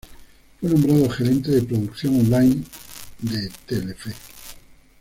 Fue nombrado gerente de Producción Online de Telefe.